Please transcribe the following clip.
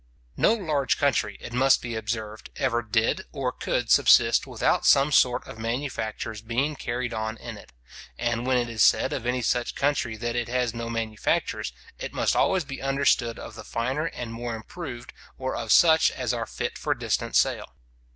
No large country, it must be observed, ever did or could subsist without some sort of manufactures being carried on in it; and when it is said of any such country that it has no manufactures, it must always be understood of the finer and more improved, or of such as are fit for distant sale.